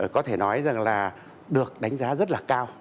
có thể nói rằng là được đánh giá rất là cao